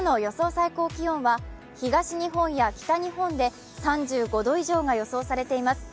最高気温は東日本や北日本で３５度以上が予想されています。